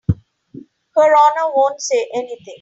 Her Honor won't say anything.